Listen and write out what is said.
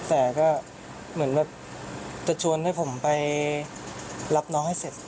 แต่ก็เหมือนแบบจะชวนให้ผมไปรับน้องให้เสร็จ